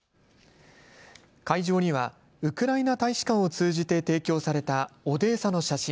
会場にはウクライナ大使館を通じて提供されたオデーサの写真